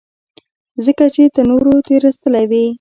ځکه چې ته نورو تېرايستلى وې.